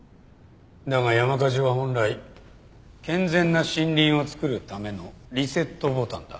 だが山火事は本来健全な森林を作るためのリセットボタンだ。